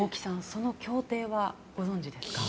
その協定はご存じですか。